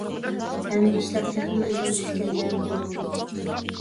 ئەمدى ئىشلار تېخىمۇ ئىزىغا چۈشكەندەك قىلاتتى.